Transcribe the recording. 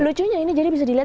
lucunya ini jadi bisa dilihat